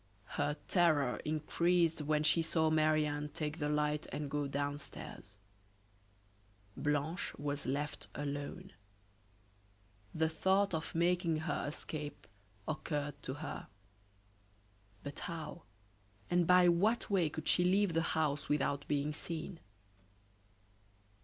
Her terror increased when she saw Marie Anne take the light and go downstairs. Blanche was left alone. The thought of making her escape occurred to her; but how, and by what way could she leave the house without being seen?